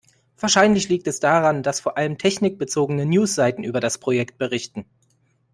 Wahrscheinlich liegt es daran, dass vor allem technikbezogene News-Seiten über das Projekt berichten.